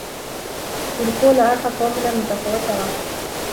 اروپا له اړخه کاملا متفاوته وه.